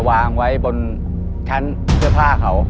วางไว้บนชั้นเสื้อผ้าเขา